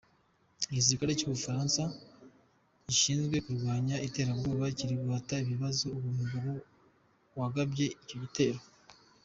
Igisirikare cy'Ubufaransa gishinzwe kurwanya iterabwoba kiri guhata ibibazo uwo mugabo wagabye icyo gitero.